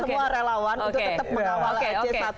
semua relawan untuk tetap mengawal